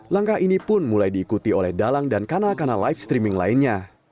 langkah ini pun mulai diikuti oleh dalang dan kanal kanal live streaming lainnya